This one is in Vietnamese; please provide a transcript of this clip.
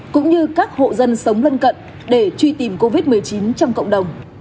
cũng như các hộ dân sống lân cận để truy tìm covid một mươi chín trong cộng đồng